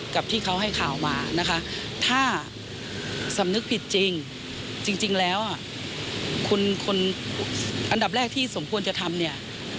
กับที่เขาให้ข่าวมานะคะถ้าสำนึกผิดจริงจริงแล้วคุณคนอันดับแรกที่สมควรจะทำเนี่ย